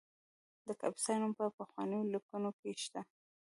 د کاپیسا نوم په پخوانیو لیکنو کې شته